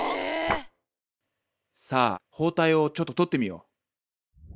さあ包帯をちょっと取ってみよう。